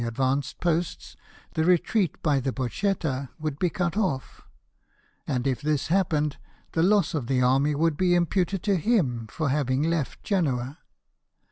advanced posts, the retreat by the Bocchetta would be cut off ; and if this happened, the loss of the army would be imputed to him for having left Genoa.